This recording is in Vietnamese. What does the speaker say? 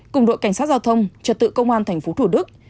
cùng đội cảnh sát giao thông trật tự công an tp thủ đức